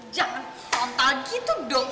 jangan frontal gitu dong